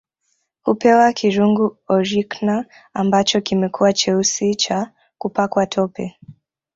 Hupewa kirungu Orikna ambacho kimekuwa cheusi kwa kupakwa tope